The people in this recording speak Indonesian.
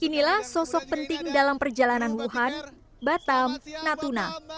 inilah sosok penting dalam perjalanan wuhan batam natuna